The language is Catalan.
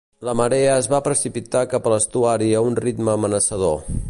La marea es va precipitar cap a l'estuari a un ritme amenaçador.